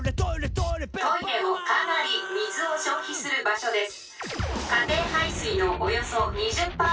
「トイレもカナリ水を消費する場所デス」。